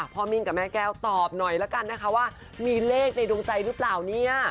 มิ่งกับแม่แก้วตอบหน่อยละกันนะคะว่ามีเลขในดวงใจหรือเปล่าเนี่ย